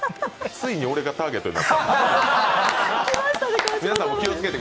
ついに俺がターゲットになって。